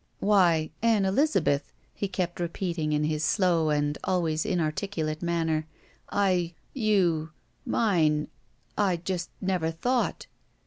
"Why, Ann Elizabeth," he kept repeating, in his slow and always inarticulate manner, "I — You — Mine — I just never thought."